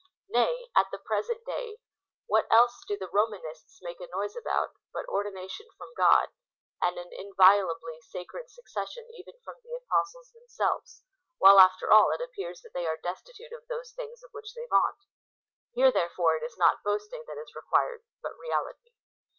Nay, at the present day, what else do the Romanists make a noise about, but " ordination from God, and an in violably sacred succession even from the Apostles them selves," ^ while, after all, it appears that they are destitute of those things of which they vaunt ? Here, therefore, it is not boasting that is required, but reality.